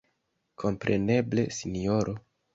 Kompreneble, sinjoro!